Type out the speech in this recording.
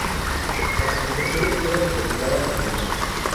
Las acusaciones fueron retiradas en noviembre.